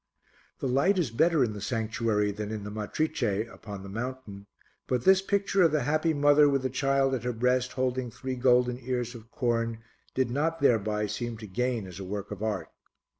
The light is better in the sanctuary than in the Matrice upon the Mountain, but this picture of the happy Mother with the Child at her breast holding three golden ears of corn did not thereby seem to gain as a work of art.